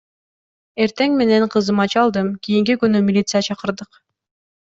Эртең менен кызыма чалдым, кийинки күнү милиция чакырдык.